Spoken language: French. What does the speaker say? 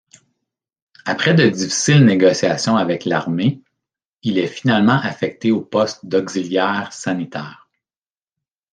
Après de difficiles négociations avec l'armée, il est finalement affecté au poste d'auxiliaire sanitaire.